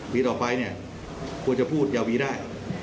ปีต่อไปเนี่ยควรจะพูดอย่าวีได้